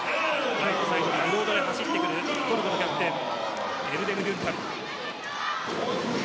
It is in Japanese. ライトサイドブロードで走ってくるトルコのキャプテンエルデムデュンダル。